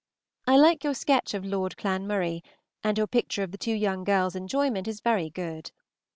I like your sketch of Lord Clanmurray, and your picture of the two young girls' enjoyment is very good.